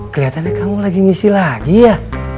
kelihatannya kamu lagi ngisi lagi ya